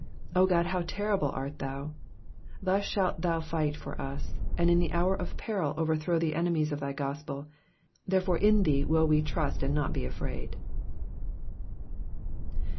O God, how terrible are thou ! Thus shalt thou fight for us, and in the hour of peril overthrow the enemies of thy gospel. Therefore in thee will we trust and not be afraid.